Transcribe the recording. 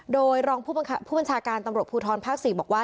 โดยรองผู้บัญชาการตำรวจภูทรภาค๔บอกว่า